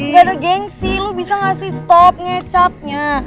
gak ada gengsi lo bisa gak sih stop ngecapnya